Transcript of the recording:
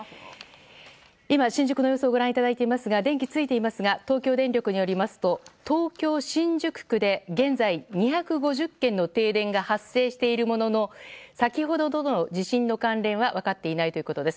今、新宿の様子をご覧いただいていますが電気がついていますが東京電力によりますと東京・新宿区で現在２５０軒の停電が発生しているものの先ほどの地震との関連は分かっていないということです。